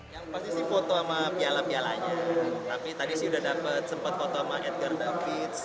yang pasti sih foto sama piala pialanya tapi tadi sih udah dapet sempat foto sama edgar davids